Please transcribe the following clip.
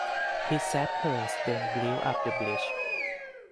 His sappers then blew up the bridge.